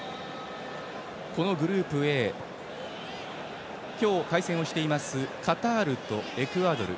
このグループＡ今日、対戦していますカタールとエクアドル。